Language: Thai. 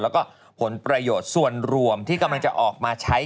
แล้วก็ผลประโยชน์ส่วนรวมที่กำลังจะออกมาใช้